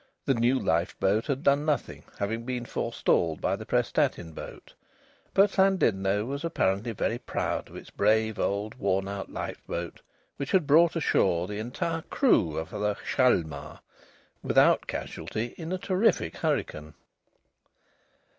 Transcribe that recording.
The new lifeboat had done nothing, having been forestalled by the Prestatyn boat; but Llandudno was apparently very proud of its brave old worn out lifeboat which had brought ashore the entire crew of the Hjalmar, without casualty, in a terrific hurricane.